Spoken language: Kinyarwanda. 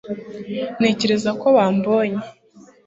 ntekereza ko bambonye